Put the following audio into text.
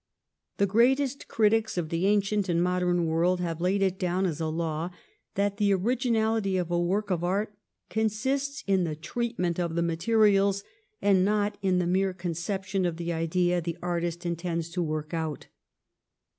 The greatest critics of the ancient and modern world have laid it down as a law that the originality of a work of art consists in the treatment of the materials, and not in the mere conception of the idea the artist intends to work out.